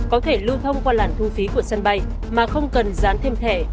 có thể lưu thông qua làn thu phí của sân bay mà không cần dán thêm thẻ